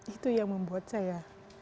itu yang membuat saya